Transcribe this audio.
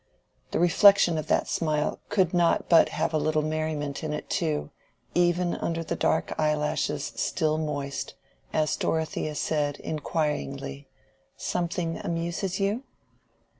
The reflection of that smile could not but have a little merriment in it too, even under dark eyelashes still moist, as Dorothea said inquiringly, "Something amuses you?"